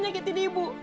ya allah ibu